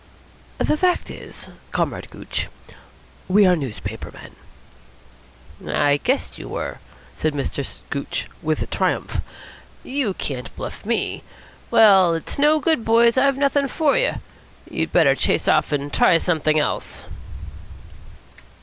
"The fact is, Comrade Gooch, we are newspaper men." "I guessed you were," said Mr. Gooch with triumph. "You can't bluff me. Well, it's no good, boys. I've nothing for you. You'd better chase off and try something else."